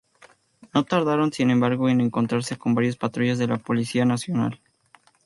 No tardaron, sin embargo, en encontrarse con varias patrullas de la Policía Nacional.